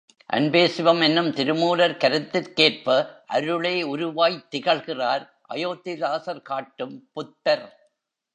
அன்பே சிவம் என்னும் திருமூலர் கருத்திற்கேற்ப அருளே உருவாய்த்திகழ்கிறார் அயோத்திதாசர் காட்டும் புத்தர்.